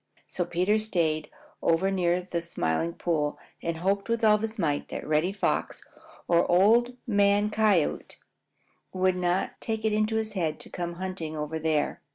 So Peter stayed over near the Smiling Pool and hoped with all his might that Reddy Fox or Old Man Coyote would not take it into his head to come hunting over there.